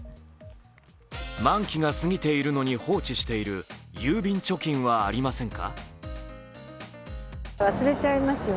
満期が過ぎているのに放置している郵便貯金はありませんか？